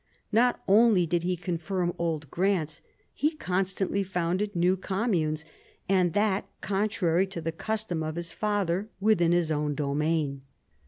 Not only did he confirm old grants : he constantly founded new communes, and that, con trary to the custom of his father, within his own domain.